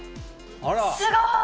すごい！